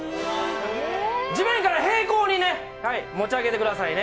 地面から平行にね、持ち上げてくださいね。